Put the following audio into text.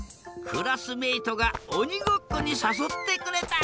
クラスメートがおにごっこにさそってくれた。